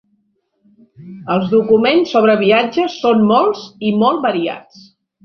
Els documents sobre viatges són molts i molt variats.